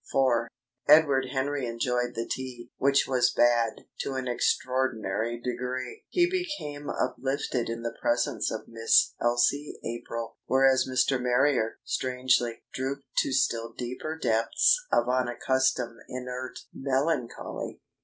IV. Edward Henry enjoyed the tea, which was bad, to an extraordinary degree. He became uplifted in the presence of Miss Elsie April; whereas Mr. Marrier, strangely, drooped to still deeper depths of unaccustomed inert melancholy.